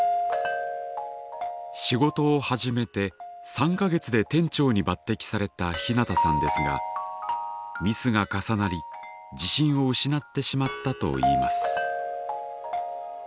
仕事を始めて３か月で店長に抜てきされたひなたさんですがミスが重なり自信を失ってしまったといいます。